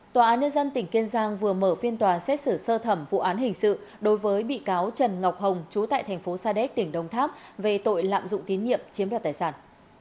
tòa án nhân dân tỉnh kiên giang vừa mở phiên tòa xét xử sơ thẩm vụ án hình sự đối với bị cáo trần ngọc hồng chú tại thành phố sa đéc tỉnh đông tháp về tội lạm dụng tín nhiệm chiếm đoạt tài sản